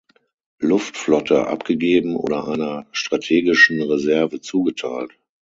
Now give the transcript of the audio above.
Luftflotte abgegeben oder einer strategischen Reserve zugeteilt.